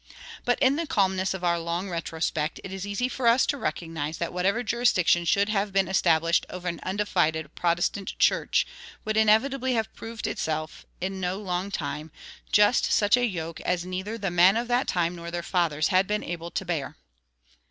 But in the calmness of our long retrospect it is easy for us to recognize that whatever jurisdiction should have been established over an undivided Protestant church would inevitably have proved itself, in no long time, just such a yoke as neither the men of that time nor their fathers had been able to bear.